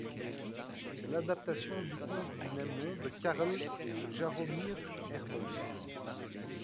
C'est l'adaptation du conte du même nom de Karel Jaromír Erben.